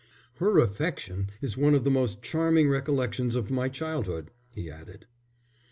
"Her affection is one of the most charming recollections of my childhood," he added.